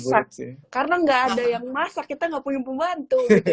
masak karena gak ada yang masak kita gak punya pembantu gitu